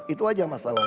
itu saja masalah